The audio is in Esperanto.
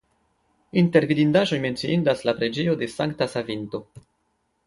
Inter vidindaĵoj menciindas la preĝejo de Sankta Savinto.